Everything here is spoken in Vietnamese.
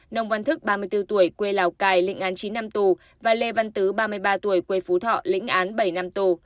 nông văn thức ba mươi bốn tuổi quê lào cai lịnh án chín năm tù và lê văn tứ ba mươi ba tuổi quê phú thọ lĩnh án bảy năm tù